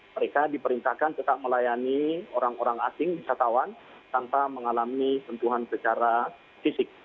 mereka diperintahkan tetap melayani orang orang asing wisatawan tanpa mengalami sentuhan secara fisik